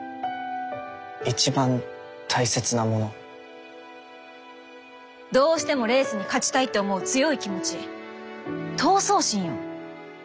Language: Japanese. いちばん大切なもの？どうしてもレースに勝ちたいって思う強い気持ち闘争心よ！